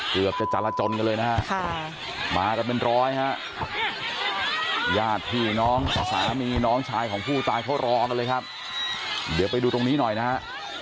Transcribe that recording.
เกือบจะจรจนกันเลยนะฮะมากันเป็นร้อยฮะญาติพี่น้องสามีน้องชายของผู้ตายเขารอกันเลยครับเดี๋ยวไปดูตรงนี้หน่อยนะฮะ